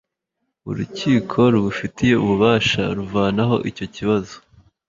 urukiko rubifitiye ububasha ruvanaho icyo kibazo